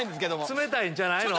冷たいんじゃないの？